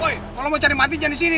woy kalo mau cari mati jangan disini